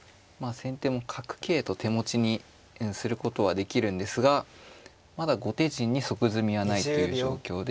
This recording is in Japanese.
先手も角桂と手持ちにすることはできるんですがまだ後手陣に即詰みはないという状況で。